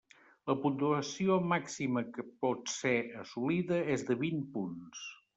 La puntuació màxima que pot ser assolida és de vint punts.